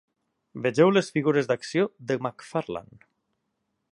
Vegeu les figures d'acció de McFarlane.